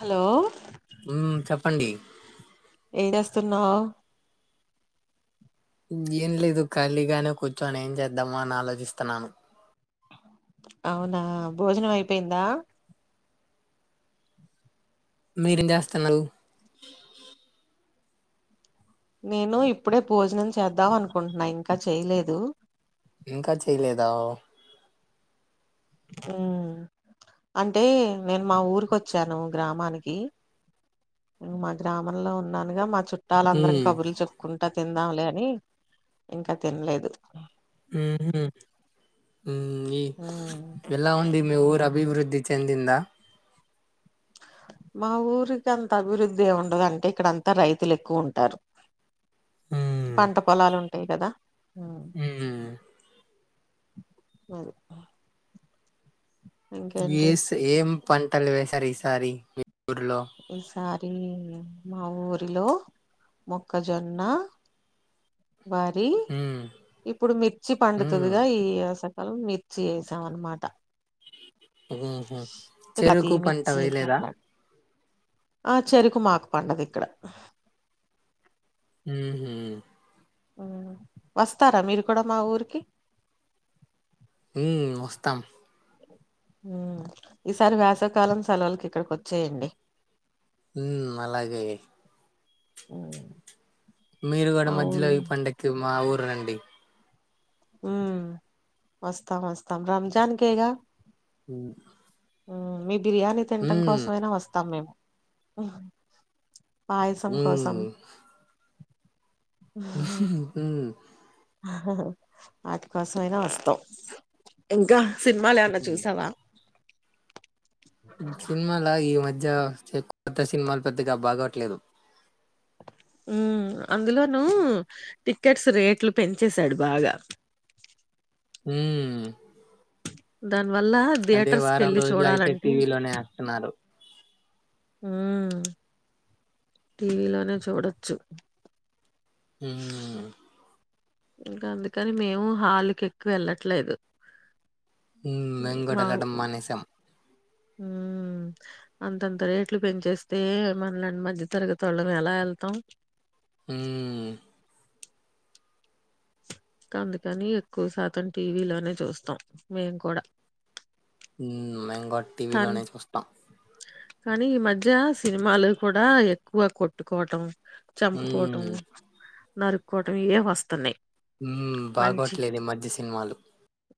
Hello ఉమ్ చెప్పండి ఎం జెస్తున్నావ్ ఉ ఏం లేదు ఖాళీగానే కూర్చొని ఏం చేద్దామ అని ఆలోచిస్తున్నాను అవునా భోజనం అయిపోయిందా మీరేం చేస్తున్నల్ నేను ఇప్పుడే భోజనం చేద్దాం అనుకుంటున్నా ఇంకా చేయలేదు ఇంకా చెయలేదా ఉమ్ అంటే నేను మా ఊరికి ఒచ్చాను గ్రామానికి మా గ్రామంలో ఉన్నానుగా మా చుట్ ట్టళ్ళందరం మ్మ్ కబుర్లు చెప్పుకున్ అట్టా తిందాంలే అని ఇంకా తినలేదు ఉహ్ హుమ్ ఉ ఇ ఉమ్ ఎలా ఉంది మీ ఊర అభివృద్ధి చెందింద మా ఊరికి అంత అభివృద్ధి ఏముండదంటి ఇక్కడంతా రైతులు ఎక్కువుంటారు మ్మ్ పంట పొలాలు ఉంటాయి కదా ఉమ్ మ్మ్ [inaudible] ఇంకేంటి ఏస్ ఏం పన్ తల్వేసర్ ఈసారి ఊర్లో ఈసారి మా ఊరిలో మొక్కజొన్న వరి, మ్మ్ ఇప్పుడు మిర్చి మ్మ్ పండుతదిగా ఈ స వళ్ మిర్చి ఏసాం అన్నమాట ఉహుమ్ చెరుకు పంట మిర్చి వేయలేదా అట్లా ఆ చెరుకు మాకు పండదు ఇక్కడ ఉహుమ్ ఉ వస్తారా మీరు కూడా మా ఊరికి ఉమ్ వస్తాం ఉమ్ ఈసారి వేసవికాలం సెలవులకి ఇక్కడికి వచ్చేయండి ఉమ్ అలాగే ఉమ్ మీరు గూడ మజ్జల ఇ పడక్కి మా ఊర్ రండి ఉమ్ వస్తాం వస్తాం రంజాన్ కేగా ఉమ్ [inaudible] బిర్యానీ తింటం కోసమైనా వస్తాం మేమ్ పాయసం కోసం మ్మ్ మ్మ్ వాటి కోసమయినా వస్తావ్ ఇంకా సినిమా లేవన్నా చూసావా సినిమాల ఈ మద్ ధ్య ఎక్ పెద్ద సినిమాలు పెద్దగా బాగోట్లేదు మ్మ్ అందులోనూ టిక్కెట్స్ రేట్లు పెంచేశాడు బాగా మ్మ్ దాన్ అదే వారం రోజులు అయితే టీ వీ లోనే ఏస్తున్నారు ఊ టీ వీ లోనే చూడొచ్చు మ్మ్ ఇంకా అందుకని మేము హాలుకి ఎక్కువ యేళ్ళట్లేదు మ్మ్ మేమ్ గూడా యేళ్లడం మానేసం మ్మ్ అంతంత రేట్లు పెంచేస్తే మన లాంటి మధ్య తరగతోల్లం ఎలా వెళ్తాం హ్మ్ అందుకని ఎక్కువ శాతం టీ వీ లోనే చూస్తాం మేం కూడా మ్మ్ మేమ్ బ టీ వీ లో కానీ నే చూస్తాం కానీ ఈ మధ్య సినిమాలు కూడా ఎక్కువ కొట్టుకోవటం చంపుకోవటం హ్మ్ నరుక్కోవటం ఈ ఏ వస్తున్నాయ్ మ్మ్ బాగోట్లేదు ఈ మధ్య సినిమాలు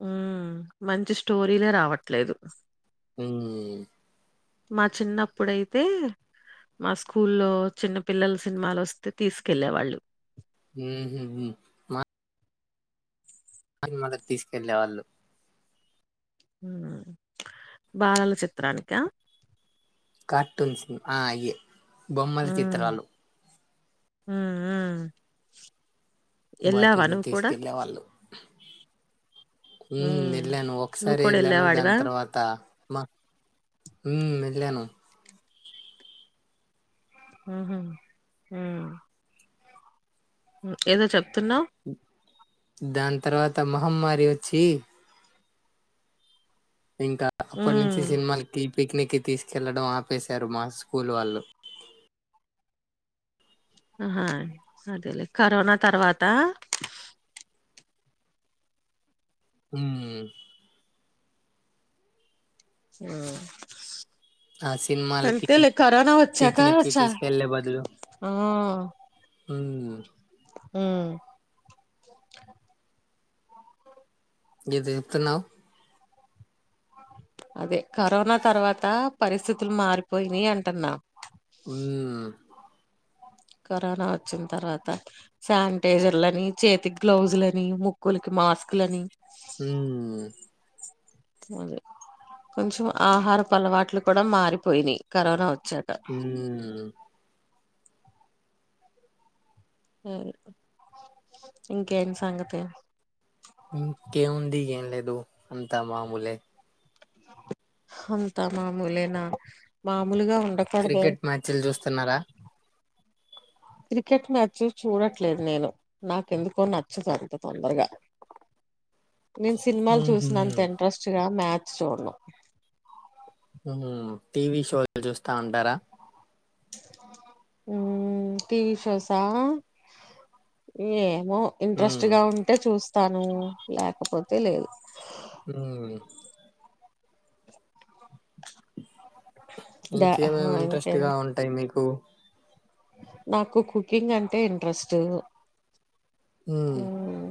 ఊ మంచి స్టోరీలే రావట్లేదు ఊ మా చిన్నప్పుడైతే మా స్కూల్లో చిన్న పిల్లల సినిమాలు వస్తే తీసుకెళ్ళే వాళ్ళు హ్మ్ హు మా [unintelligible] మొదట తీసుకెళ్ళేవాళ్ళు ఊనా బాలల చిత్రానికా కార్టూన్ సినిమా ఆ అయ్యే బొమ్మల చిత్రాలు మ్మ్ మ్మ్ బయటకి తీసుకెళ్ళే వాళ్ళు మ్మ్ ఉమ్ వెళ్ళాను నువ్వు ఒకసారి కూడా వెళ్ళాను దాని ఎళ్ళేవాడివా తర్వాత మా మ్మ్ లేను ఊహూ ఊ ఏదో చెప్ తున్నా దాని తర్వాత మహమ్మారి వచ్చి ఇంకా అప్పటి నుంచి ఉమ్ సినిమాలకి పిక్నిక్ కి తీసుకెళ్లడం ఆపేశారు మా స్కూల్ వాళ్ళు అహా అదేలే కరోనా తర్వాతా ఉమ్ ఆ ఆ సినిమాలకి వచ్చాక పక్నిక్ కి చ తీసుకెళ్లే బదులు ఆ ఊ ఊ ఏదో చెప్తున్నావ్ అదే కరోనా తర్వాత పరిస్థితులు మారిపోయినై అంటున్నా ఉమ్ కరోనా వచ్చిన తర్వాత శానిటైజర్లని చేతికి గ్లౌజలని ముక్కులుకి మాస్కు లని ఉం అదే కొంచెం ఆహారపు అలవాట్లు కూడా మారిపోయినాయి కరోనా వచ్చాక ఊ హూ ఇంకేం సంగతి ఇంకేం వుంది ఏం‌ లేదు అంతా. మాముూలే అంతా మామూలేనా మామూలుగా ఉండకూడదే క్రికెట్ మ్యాచులు చుస్ స్తున్నర క్రికెట్ మ్యాచ్ చూడట్లేదు నేను నాకెందుకో నచ్చదు అంత తొందరగా నేను సినిమాలు ఉహు చూసినంత ఇంట్రెస్ట్ గా మ్యాచ్ చూడను హ్మ్ హు టీ వీ షో లు చూస్తా ఉంటారా హ్మ్ టీ వీ షో స ఏ మో ఇంట్రెస్ట్ ఉమ్ గా ఉంటే చూస్ తను లేకపోతే లేదు హ్మ్ ద ఇంకేమేమి ఇంట్రెస్ట్ ఇంకేం గా ఉంటాయి మీకు నాకు కుకింగ్ అంటే ఇంట్రెస్ట్ హ్మ్ హ్మ్మ్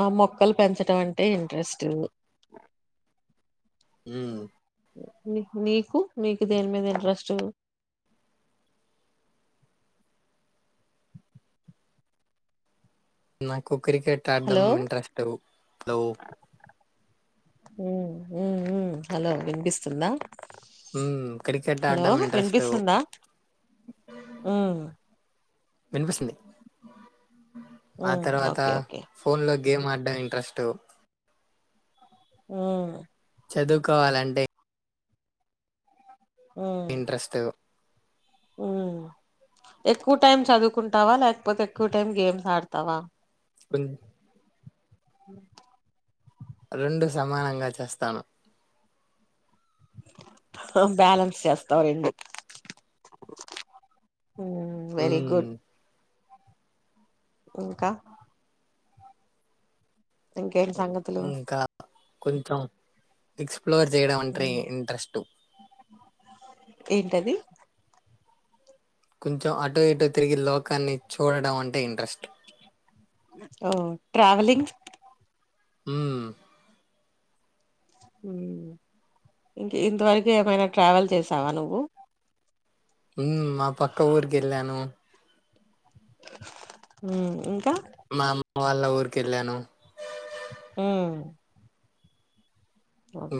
ఆ మొక్కలు పెంచడం అంటే ఇంట్రెస్టూ మ్మ్ మీక్ మీకు మీకు దేని మీద ఇంట్రెస్ట్ నాక్ కు క్రికెట్ ఆడ్డం హలో ఇంట్రెస్టు గ్లో హు హు హుమ్మ్, హలో వినిపిస్తుందా. హ్మ్ క్రికెట్ హలో ఆడడం ఇంట్రెస్ట్ వినిపిస్తుందా. వినిపిస్తుంది. ఆ ఉమ్ తర్వాత ఓకే ఓకే ఫోన్ లో గే. గేమ్ ఆడ్డం ఇంట్రెస్టు. ఉమ్. చదువుకోవాలంటే. ఉమ్ ఇంట్రెస్టు. ఉమ్ ఎక్కువ టైం చదువుకుంటావా, లేకపోతే ఎక్కువ టైం గేమ్స్ ఆడతావా. కొంజ్. [inaudible] రెండు సమానంగా చేస్తాను. హో బ్యాలెన్స్ చేస్తావ్ రెండు. హుమ్మ్ వెరీ హ్మ్ గుడ్. ఇంకా. ఇంకేం సంగతులు. ఇంకా కొంచెం ఫిక్స్. ఎక్స్ప్లోర్ చేయడం అంట్రే ఇంట్రెస్టు. ఏంటది. కొంచెం అటో ఇటో తిరిగి లోకాన్ని చ్చు. ఓ ట్రావెలింగ్. ఉమ్మ్. ఉమ్మ్ ఇంక్ ఇంతవరకు ఏమైనా ట్రావెల్ చేసావా నువ్వు. ఉమ్మ్ మా పక్క ఊరీకెళ్ళాను. ఉమ్ ఇంకా. మా అమ్మ వాళ్ళ ఊరికేళ్ళాను. ఉమ్మ్.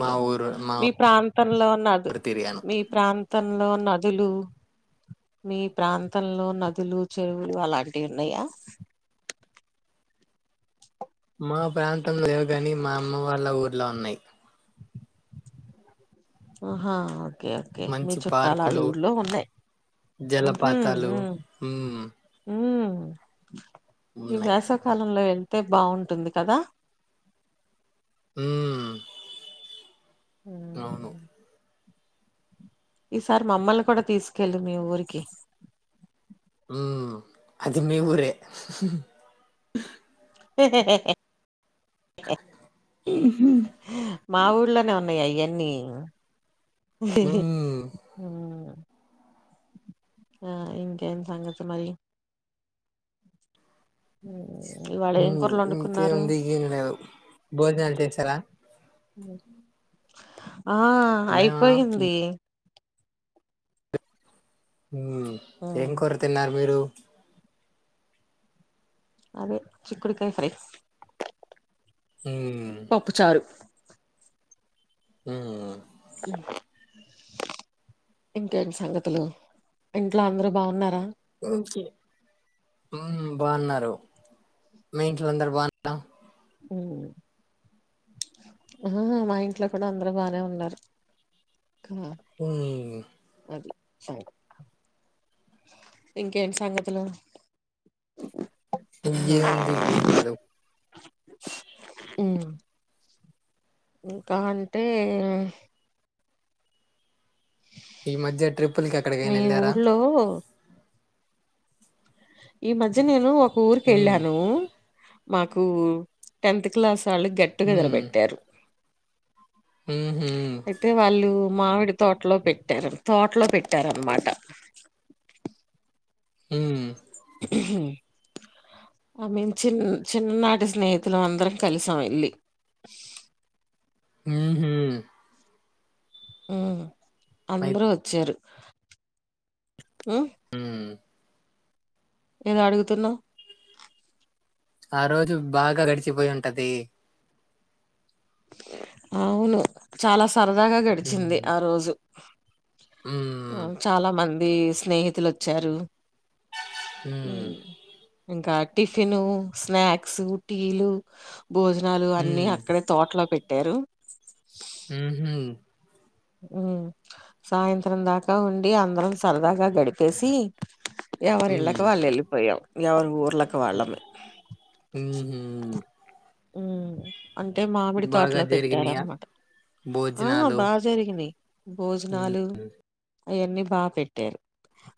మా ఊరు మా మీ ప్రాంతంలో ఉన్న అదు, ఊరు తిరిగాను మీ ప్రాంతంలో ఉన్న అదు. దులు మీ ప్రాంతంలో నదులు, చెరువులు అలాంటివి ఉన్నాయా. మా ప్రాన్. లేవు గాని మా అమ్మ వాళ్ళ ఊర్. ఇలా ఉన్నాయి. ఆహా. ఓకే ఓకే మీ మంచి చుట్టాలు అల్లు పార్కులు ఊర్లో ఉన్నాయి. ఉహూమ్ జలపాతాలు ఉమ్ ఉమ్ ఉమ్మ్. [unintelligible] ఈ ఉన్నాయి వేసవి కాలంలో వెల్. తే బాగుంటుంది కదా. ఉమ్మ్. మ్ ఈసారి మామ్మల్ని కూడా తీసుకెళ్లు మీ ఊరికి మ్ అది మీ ఊరే హెహెహ్ మ్మ్ మా ఊళ్లోనే ఉన్నాయి అయ్య అన్ని ఉమ్ ఆ ఇంకేం సంగతి మళ్ళీ హ్ ఊ ఇంకేముంది ఇంకేం లేదు భోజనాలు చేశారా ఊ ఆ మేమా అయిపోయింది ఏం కూర తిన్నారు మీరు అదే చిక్కుడుకాయ ఫ్రై మ్మ్ పప్పుచారు హ్మ్ ఇంకేంటి సంగతులు ఇంట్లో అందరు బాగున్నారా ఒకే మ్మ్ బాగున్నారు మీ ఇంట్లో అందరు బాగున్నారా మ్మ్ హు హు మా ఇంట్లో కూడా అందరు బానే ఉన్నారు మ్మ్ ఉమ్ అది సంగ ఇంకేంటి సంగతులు ఇంకే ముంది ఏం లేదు మ్మ్ ఇంకా అంటే ఈ మధ్య ట్రిప్పుల కి ఎక్కడికైనా మీ వెళ్ళారా ఊర్లో ఈ మధ్యనేేను ఒ హ్మ్ కురుకెళ్ళాను మాకు టెన్త్ క్లాస్ వాళ్ళు గెట్టుగెదర్ పెట్టారు హ్మ్ హు అయితే వాళ్ళు మామిడి తోటలో పెట్టారు తోటలో పెట్టారనమాట హ్మ్ ఆ మీన్ చిన్న చిన్ననాటి స్నేహితులు అందరం కలిసాం వెళ్ళి హ్మ్ హు హ్మ్ మై అందరూ వచ్చారు హ్మ్ హ్మ్ ఏదో అడుగుతున్నావ్ ఆ రోజు బాగా గడిచిపోయి ఉంటది అవును చాలా సరదాగా గడిచింది హ్మ్ ఆ రోజు హ్మ్ చాలా మంద్ ది స్నేహితులు వచ్చారు హ్మ్ ఉమ్ ఇంకా టిఫిన్ స్నాక్స్ టీలు భోజనాలు అన్ని హ్మ్ అక్కడే తోట్లో పెట్టారు ఊహూ హ్మ్ సాయంత్రం దాకా ఉండి అందరం సరదాగా గడిపేసి ఎవరు ఇళ్ళ కు వాళ్ళు వెళ్లిపోయాం ఎవరు హ్మ్ హు హ్మ్ అంటే మామిడి బాగా తోటలో జరిగినయా పెట్టారన్నమాట ఆ భోజనాలు బాగ జరిగినయి భోజనాలు అయ్యన్నీ బా పెట్టారు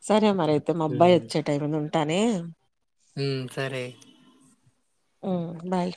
స రే మర అయితే మా అబ్బాయ్ హ్మ్ వచ్చే టైం అయింది ఉ టనే హ్మ్ సరే హ్మ్ బాయ్